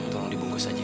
tolong dibungkus aja ya